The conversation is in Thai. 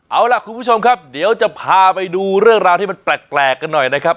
เอาล่ะคุณผู้ชมครับเดี๋ยวจะพาไปดูเรื่องราวที่มันแปลกกันหน่อยนะครับ